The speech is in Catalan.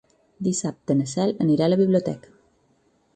Dissabte na Cel anirà a la biblioteca.